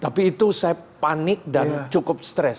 tapi itu saya panik dan cukup stres